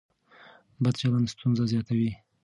بد چلن ستونزه زیاتوي.